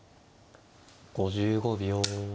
５５秒。